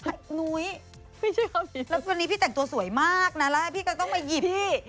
หนุ๊ยแล้ววันนี้พี่แต่งตัวสวยมากนะล่ะพี่ก็ต้องมาหยิบพี่